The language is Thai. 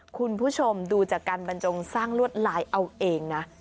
คุณผู้ชมดูจากการบรรจงสร้างลวดลายเอาเองนะ